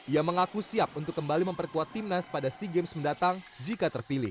ia mengaku siap untuk kembali memperkuat timnas pada sea games mendatang jika terpilih